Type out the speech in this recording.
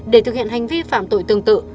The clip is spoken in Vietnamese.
để thực hiện hành vi phạm tội tương tự